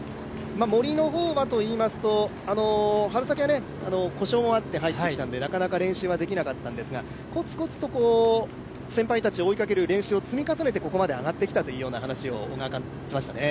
森はといいますと、春先は故障もあって入ってきたので、なかなか練習はできなかったんですが、こつこつと先輩たちを追いかける練習を積み重ねてここまで上がってきたというような話を小川監督は話してましたね。